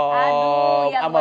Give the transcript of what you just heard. aduh yang luar biasa